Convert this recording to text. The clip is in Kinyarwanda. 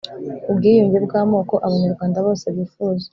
ubwiyunge bw'amoko abanyarwanda bose bifuza.